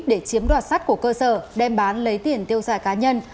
để chiếm đoạt sắt của cơ sở đem bán lấy tiền tiêu xài cá nhân